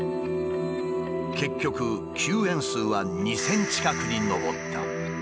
結局休演数は２，０００近くに上った。